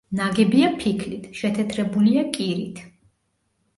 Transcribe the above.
ნაგებია ფიქლით, შეთეთრებულია კირით.